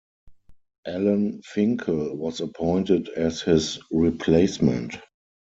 Alan Finkel was appointed as his replacement.